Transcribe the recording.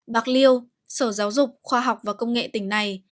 bạc liêu sở giáo dục khoa học và công nghệ tỉnh này